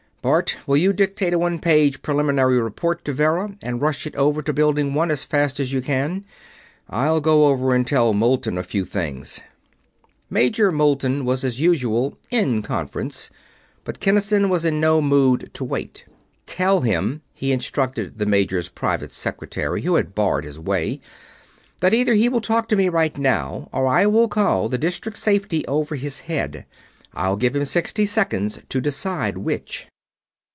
"Bart, will you dictate a one page preliminary report to Vera and rush it over to Building One as fast as you can? I'll go over and tell Moulton a few things." Major Moulton was, as usual, "in conference," but Kinnison was in no mood to wait. "Tell him," he instructed the Major's private secretary, who had barred his way, "that either he will talk to me right now or I will call District Safety over his head. I'll give him sixty seconds to decide which."